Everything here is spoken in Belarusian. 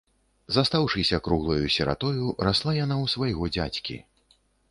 Застаўшыся круглаю сіратою, расла яна ў свайго дзядзькі.